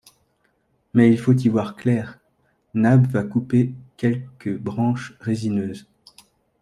Mais il faut y voir clair. — Nab, va couper quelques branches résineuses.